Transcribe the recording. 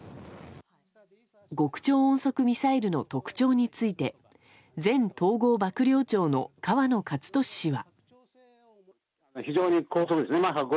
極超音速ミサイルの特徴について前統合幕僚長の河野克俊氏は。